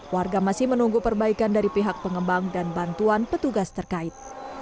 warga masih menunggu perbaikan dari pihak pengembang dan bantuan petugas terkait